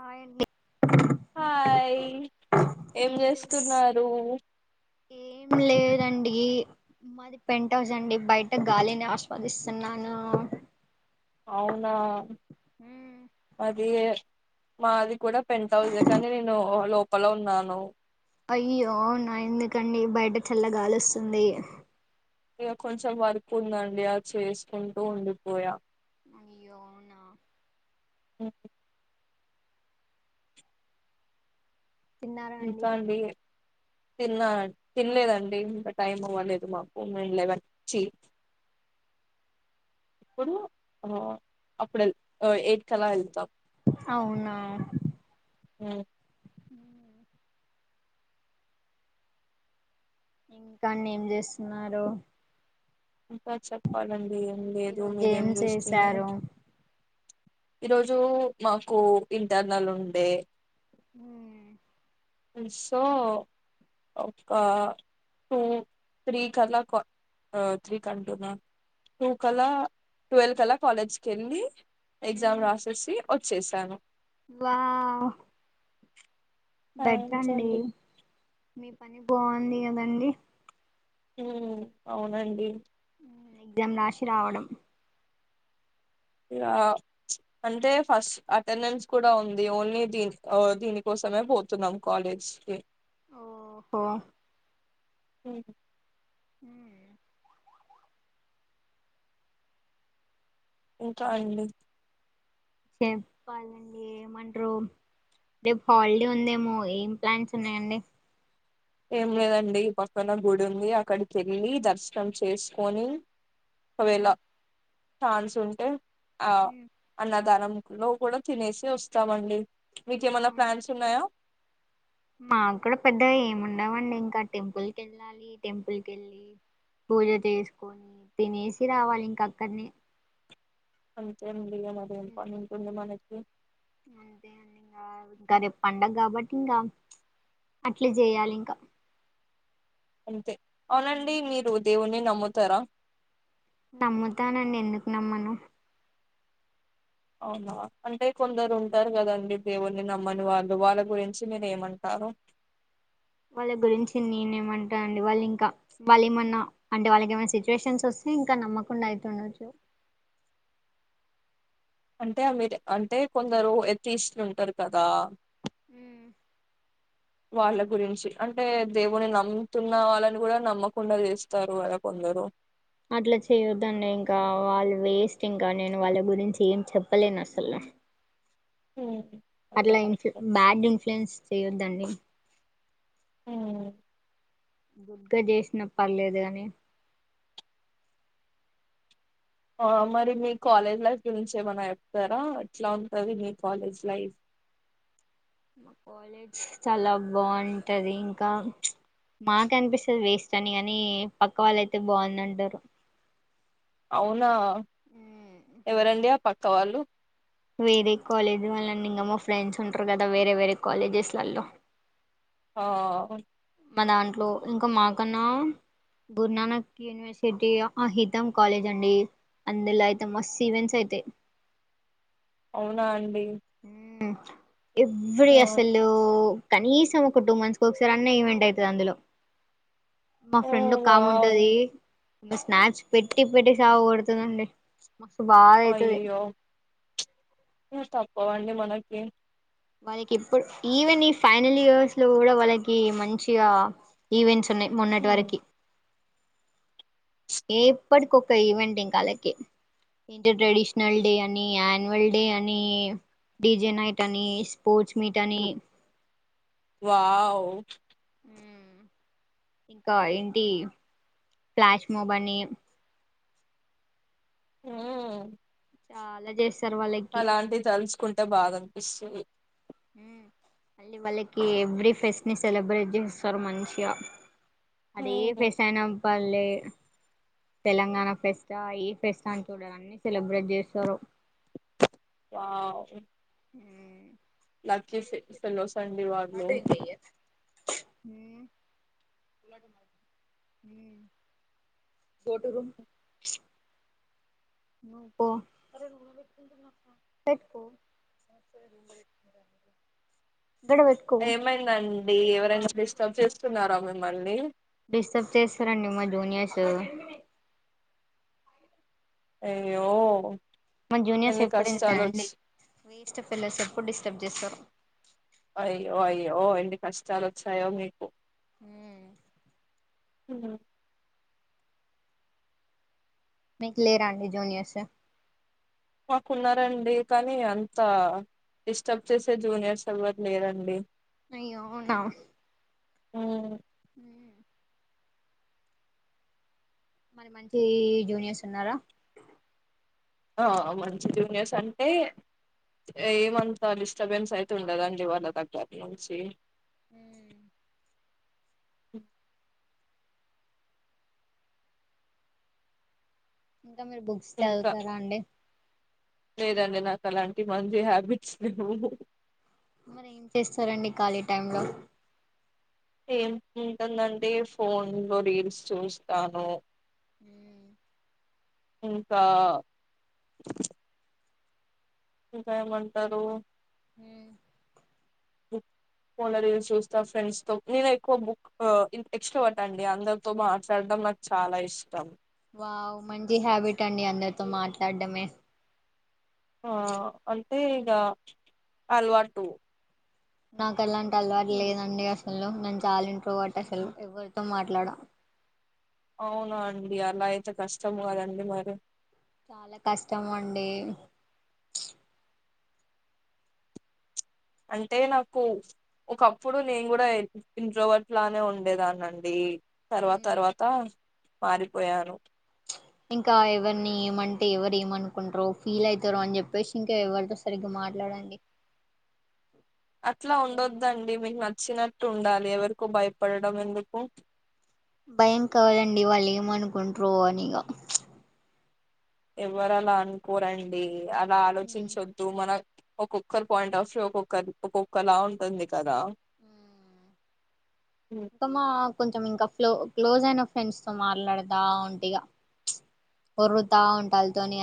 Hi అండి hi ఏం చేస్తున్నారూ ఏం లేదండి మాది పెంట్హౌస్ అండి బయట గాలిని ఆశ్వాదిస్తున్నాను ఆ అవునా మ్ అది మాది కూడా పెంట్హౌస్ కానీ నేను లోపల ఉన్నాను అయ్యో అవునా ఎందుకండి బయట చల్లగాలి ఒస్తుంది ఇగ కొంచెం వర్క్ ఉందండి అది చేసుకుంటూ ఉండిపోయా అయ్యో అవునా హ్మ్ ఇంకా అండి తిన్నా తినలేదండి ఇంకా టైం అవ్వలేదు మాకు మేం లెవెన్ చి ఇప్పుడు ఆ అప్పుడు ఎల్ ఎయిట్ కల ఎల్తామ్ అవునా హ్మ్ ఇంకండి ఏం చేస్తున్నారు ఇంకా చెప్పాలండి ఏం లేదు ఈరోజు ఏం మీరేం చేస్తున్నారు చేశారు ఈరోజు మాకు ఇంటర్నల్ ఉండే ఊ మ్ సో ఒక టూ త్రీ కలా క్వా త్రీ కంటునా టూ కలా ట్వెల్వ్ కలా కాలేజ్ కెళ్ళి ఎగ్జామ్ మ్ రాసేసి ఒచ్చేసాను వావ్ బెటర్ అండి మీ పని బాగుంది కదండి హ్మ్ అవునండి ఎగ్జామ్ రాషీ రావడం ఇ ఆ అంటే ఫస్ట్ అటెండెన్స్ కూడా ఉంది ఓన్లీ దీన్ దీనికోసం యే పోతున్నాం కాలేజ్కి ఓహో హ్మ్ మ్ ఇంకా అండి చెప్పాలండి ఏమంటరు రేపు హాలిడే ఉందేమో ఏం ప్లాన్స్ ఉన్నాయండి ఏం లేదండి పక్కన గుడి ఉంది అక్కడికి ఏళ్ళి దర్శనం చేసుకొని ఒకవేళ ఛాన్స్ ఉంటే ఆ అన్నదానం లో కూడా తినేసి వస్తామండి మీక ఏమన్నా అవును ప్లాన్స్ ఉన్నాయా మాకు కూడా పెద్దగా ఏముండవండి ఇంకా టెంపుల్ కెళ్ళాలి టెంపుల్ కెలి పూజ చేసుకొని తినేసి రావాలి ఇంక అక్కడనే అంతే అండి ఇగ మరి ఎం ఉమ్, పని ఉంటుంది మనకి అంతే అండి ఇంగ ఇక రేపు పండగ కాబట్టి ఇంకా అట్లే జెయాలి ఇంకా అవునండి ఉమ్, మీరు దేవున్ని నమ్ముతారా నమ్ముతానండి ఎందుకు నమ్మను అవునా అంటే కొందరు ఉంటారు కదండి దేవుని నమ్మని వాళ్ళు వాళ్ళ గురించి మీరు ఏమంటా రు వాళ్ళ గురించి నేనేమంటానండి వాళ్ళు ఇంకా వాళ్ళు ఏమన్నా అంటే వాళ్ళకి ఏమన్నా అంటే వాళ్ళకేమన్న సిచ్యువేషన్స్ ఓస్తే ఇంకా నమ్మకుండా అయితె ఉండచ్చు అంటే అంటే కొందరు ఎతిస్తులు ఉంటారు కదా మ్ వాళ్ళ గురించి అంటే దేవుని నమ్ముతున్న వాళ్ళని కూడా నమ్మకుండా చేస్తారు కదా కొంత లేరు అట్లా చేయొద్దండి ఇంకా వాళ్ళు వేస్ట్ ఇంకా నేను వాళ్ళ గురించి ఏం చెప్పలేను అసలు మ్ అట్లా ఇన్ఫ బ్యాడ్ ఇన్ఫ్లుయెన్స్ చేయొద్దండి ఊ గుడ్ గా చేసిన పర్లేదు కాని ఆ మరి మీ కాలేజ్ లైఫ్ గురించి ఏమనా చెప్తారా ఎట్లా ఉంటది మీ కాలేజ్ లైఫ్ కాలేజ్ చాలా బావుంటది ఇంకా మాక్ అనిపిస్తది వేస్ట్ అని కానీ పక్క వాళ్ళుయితే బాగుంది అంటారు అవునా ఎవరండి ఆ పక్క వాళ్ళు వేరే కాలేజీ వెళ్ళండి ఇంగ మా ఫ్రెండ్స్ ఉంటారు కదా వేరే వేరే కాలేజెస్లలో ఆ మా దాంట్లో ఇంకా మాకన్నా గురునానక్ యూనివర్సిటీ అ హితం కాలేజ్ అండి అందులో అయితే మస్త్ ఈవెంట్స్ అయితై అవునా అండి హిం ఎవెరీ ఆ అసలు కనీసం ఒక టూ మంత్స్కి ఒకసారి అన్న ఈవెంట్ ఐతది అందులో మా ఓ ఫ్రెండ్ వావ్ ఓకాముంటది మే స్నాప్స్ పెట్టి పెట్టి సావా కొడుతదండి మస్తు బాగా ఐతది అయ్యో బొంది మనకి వాళ్ళకి ఇప్పుడు ఈవెన్ ఈ ఫైనల్ ఇయర్స్ లో కూడా వాళ్ళకి మంచిగా ఈవెంట్స్ ఉన్నాయి మొన్నటి ఉమ్, వరకి ఏ ప్పటికోక ఈవెంట్ ఇంకాలాకి ఇంటర్ ట్రెడిషనల్ డే అని అన్యువల్ డే అని డిజే నైట్ అని పోచ్ మీట్ అని వావ్ హిం ఇంకా ఏంటి ఫ్లాష్ మూబ్ అని మ్ చాలా చేస్త అలాంటివి తలుచుకుంటే బాధ అనిపిస్తాది హిం మళ్ళీ వాళ్ళకి ఎవ్రీ ఫెస్ట్ని సెలబ్రేట్ చేస్తారు మంచిగా అదే మ్మ్ ఫెస్ట్ ఐన పార్లే తెలంగాణ ఫెస్ట్ అ ఏ ఫెస్ట్ అ అని చూడారూ అన్ని సెలబ్రేట్ చేస్తారు వావ్ మ్ లకిీ ఫె ఫెలోస్ అండి వాళ్లు. మ్ చోటురూమ్ నో పో పెట్టుకో సరే లే ఏమైంది అండి ఎవరైనా డిస్టర్బ్ చేస్తున్నారా మిమ్మల్ని? డిస్టాప్ చేస్తారండి మా జూనియర్స్. అయ్యో మన జూనియర్స్ ఎన్ని ఎప్పుడు కష్టాలు వచ్చ ఎలతరండి వేస్ట్ పిల్లర్స్ ఎప్పుడు డిస్టర్బ్ చేస్తారు. అయ్యో అయ్యో ఎన్ని కష్టాలు వచ్చాయో మీకు? మ్ అవునా మీకు లేరా అండి జూనియర్స్? మాకు ఉన్నారు అండి కానీ అంత డిస్టర్బ్ చేసే జూనియర్స్ ఎవరు లేరు అండి అయ్యో ఉన్నాం ఆ మరీ మంచి జూనియర్స్ ఉన్నారా? ఆ మంచి జూనియర్స్ అంటే ఎం అంత డిస్టబెన్స్ అయితే ఉండదండి. వాళ్ళ దగ్గర నుంచి ఉమ్ అ ఇంకా మీరు బుక్స్ చదువుతారా అండి? లేదు అండి నాకు అలాంటి మంచి హ్యాబిట్స్ లేవు. మరీ ఏం చేస్తారండి ఖాళీ టైమ్ లో? ఎమ్ ఉంటుందండి ఫోన్ లో రీల్స్ చూస్తాను. మ్ ఇంకా ఇంకా ఎం అంటారు ఉ ఫోన్ లో రీల్స్ చూస్తం. ఫ్రెండ్స్ తో నేను ఎక్కువ బుక్ ఎక్స్ట్వేట్ అందరితో మాట్లాడ నాకు చాలా ఇష్టం వావ్ మంచి హ్యాబిట్ అండి అందరితో మాట్లాడడమే. వావ్ అంటే ఇక అలవాటు నాకు అలాంటి అలవాటు లేదు అండి అస్ హలో నన్ను చాలా ఇంట్ర అ్వట్ అసలు ఎవరి తో మాట్లాడ అవునా అండి అలా అయితే కష్టం కదా అండి మరీ. చాలా కష్టం అండి. అంటే నాకు ఒకప్పుడు నేను కూడా ఇంట్రోవట్ లానే ఉండేదాన్నిండి. తర్వాత ఉమ్, తర్వాత మారిపోయాను. ప్చ్ ఇంకా ఎవరిని ఎం అంటే ఎవరు ఏమనుకుంటారో. ఫీల్ అయితార అని చెప్పేసి ఇంకా ఎవరితో సరిగ్గా మాట్లాడండి. అట్లా ఉండోద్దండి మీకు నా వచ్చినట్టు ఉండాలి ఎవరికో భయపడడం ఎందుకు. భయం కాదు అండి వాళ్ళు ఏమనుకుంట్రో అనిగ ప్చ్ ఎవరు అలా అనుకోరండి అలా ఉమ్, ఆలోచించొద్దు మనం ఒక్కొక్కరు పాయింట్ ఆఫ్ వ్యూ ఒక్కొక్కరు ఒక్కొక్కలా ఉంటుంది కదా. ఉమ్, అత్తమ్మ కొంచెం ఇంకా ఫ్లో క్లోజ్ అయిన ఫ్రెండ్స్ తో మాట్లాడదా ఉంటిగా ప్చ్ ఒర్రుతా ఉంటా అల్తోని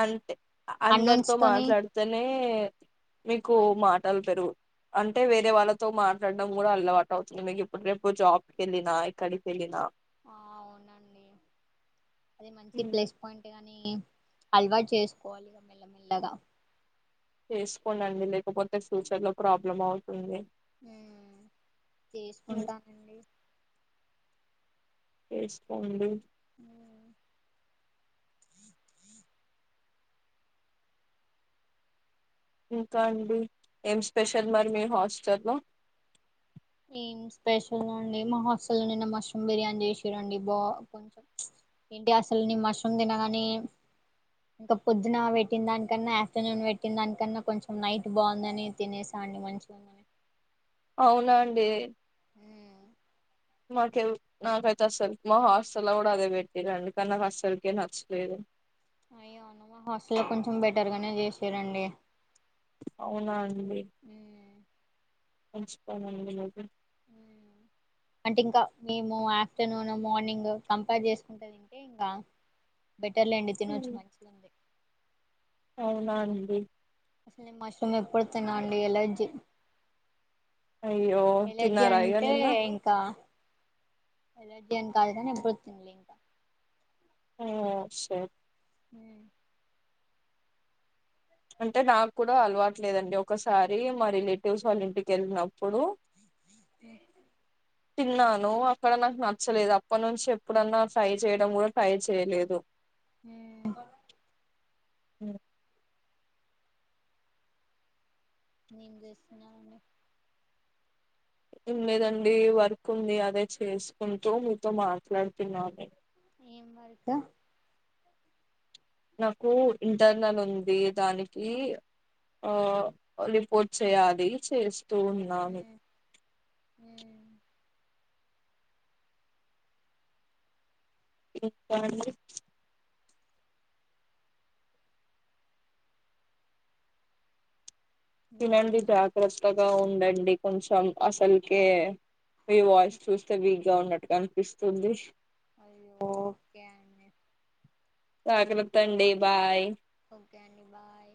అంతె అందరితో తోని మాట్లాడితేనే మీకు మాటలు పెరుగు అంటే వేరే వాళ్ళతో మాట్లాడడం కూడా అల్లవాటు అవుతుంది మీకు ఇప్పుడు రేపు జాబ్ కెళ్ళినా ఎక్కడికెళ్ళిన ఆ ఔనండి అది మంచి ప్లేస్ పాయింటె గాని ని అల్వాట్ చేస్కోవాల్ ఇగ మెల్లమెల్లగా. చేస్కోండి అండి లేకపోతే ఫ్యూచర్ లో ప్రాబ్లం అవుతుంది. ఉ ఉమ్, చేస్కుంటానండి ఎస్కొండి మ్ ఇంకా అండి ఏం స్పెషల్ మరి మీ హాస్టల్ లో ఏం స్పెషల్ అండి మా హాస్టల్లో నిన్న మష్రూమ్ బిర్యానీ చేశిరండి బా కొంచెం ఎంటి అసల్ ని మష్రూమ్ తినగనే ఇంక పొద్దున వెట్టిన్దాన్కన్నా ఆఫ్టర్నూన్ వెట్టిన్దాన్కన్నా కొంచెం నైట్ బాగుందని తినేసా అన్ని మంచిగా ఉన్నని ఔనా అండి మాకై నాకైతె అస్సల్ మా హాస్టల్లో గుడ అదే పెట్టిరండి కని నాక్ అస్సల్కే నచ్చలేదు అయ్య నువ్వ హాస్టల్లో కొంచెం బెటర్ గనే చేశిరండి ఔనా అండి మంచి పనండి మీకు అంటే ఇంక మేము ఆఫ్టర్నూన్ మార్నింగ్ కంపేర్ చేస్కుంట తింటే ఇంగ బెటర్లెండి తినొచ్చు మంచిగుంది ఔనా అండి అసల్ నేన్ మష్రూమ్ ఎప్పుడు తిన అండి ఎలర్జీ అయ్యో ఎలర్జి తిన్నారా ఇగ అంటే నిన్న ఇంకా ఎలర్జి అన్ కాదుగని ఎప్పుడు తిన్లే ఇంక ఓ షిట్ మ్ అంటె నాకూడ అల్వాట్లేదండి ఒకసారి మా రిలేటివ్స్ వాళ్ళ ఇంటికెళ్నప్పుడు తిన్నాను అక్కడ నాక్ నచ్చలేదు అప్పనుంచి ఎప్పుడన్నా ట్రై చేయడం గుడ ట్రై చేయలేదు మ్ మ్ ఎం చేస్తున్నారండి ఎం లెదండి వర్క్ ఉంది అదే చేస్కుంటూ మీతో మాట్లాడ్తున్నాను ఏం వర్కు నాకు ఇంటర్నల్ ఉంది దానికీ ఆ లిపోర్ట్ చేయాలి చేస్ తు ఉన్నాను ఇంక అండి ఇంకా తినండి జాగ్రత్తగా ఉండండి కొంచం అసల్కే మి వాయిస్ చూస్తే వీక్ గా ఉన్నట్టు కన్పిస్తుంది అయ్యొ ఒకే అండి జాగ్రత్తండి బాయ్ కె అండి బాయ్